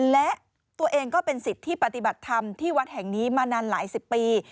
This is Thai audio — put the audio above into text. และตัวเองก็เป็นสิทธิ์ที่ปฏิบัติธรรมที่วัดแห่งนี้มานานหลายสิบปี